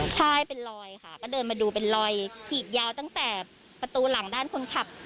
ใช่เป็นรอยค่ะก็เดินมาดูเป็นรอยขีดยาวตั้งแต่ประตูหลังด้านคนขับ